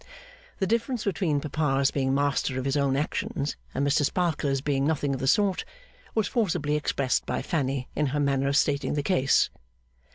The difference between papa's being master of his own actions and Mr Sparkler's being nothing of the sort, was forcibly expressed by Fanny in her manner of stating the case.